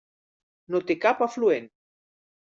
No té cap afluent.